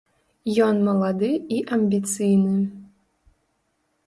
Ён малады і амбіцыйны.